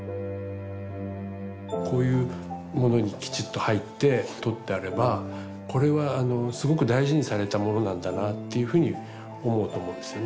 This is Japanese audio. こういうものにきちっと入って取ってあればこれはすごく大事にされたものなんだなっていうふうに思うと思うんですよね。